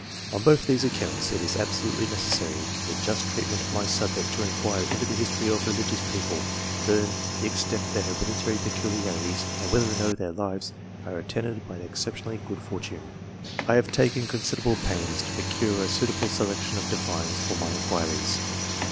On both these accounts, it is absolutely necessary, to the just treatment of my subject, to inquire into the history of religious people, and learn the extent of their hereditary peculiarities, and whether or no their lives are attended by an exceptionally good fortune. I have taken considerable pains to procure a suitable selection of Divines for my inquiries.